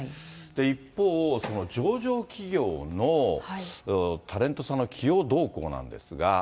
一方、上場企業のタレントさんの起用どうこうなんですが。